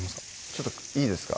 ちょっといいですか？